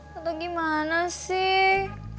tante gimana sih